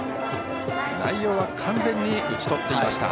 内容は完全に打ち取っていました。